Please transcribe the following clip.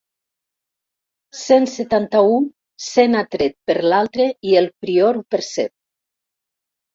Cent setanta-u sent atret per l'altre i el prior ho percep.